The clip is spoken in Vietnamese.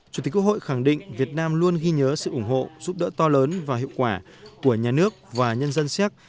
chủ tịch quốc hội khẳng định việt nam luôn ghi nhớ sự ủng hộ giúp đỡ to lớn và hiệu quả của nhà nước và nhân dân séc